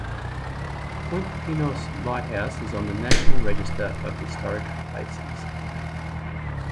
Point Pinos Lighthouse is on the National Register of Historic Places.